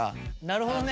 なるほどね。